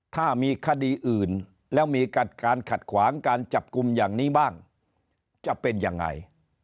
ถ้ามีคดีอื่นแล้วมีการขัดขวางการจับกลุ่มอย่างนี้บ้างจะเป็นยังไง